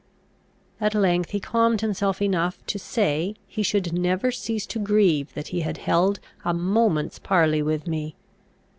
At length he calmed himself enough to say, he should never cease to grieve that he had held a moment's parley with me.